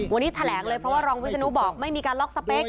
วันนี้แถลงเลยเพราะว่ารองวิศนุบอกไม่มีการล็อกสเปค